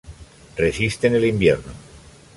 Resiste en el invierno.